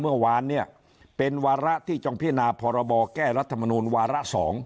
เมื่อวานเนี่ยเป็นวาระที่จงพินาพรบแก้รัฐมนูลวาระ๒